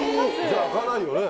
じゃあ開かないよね。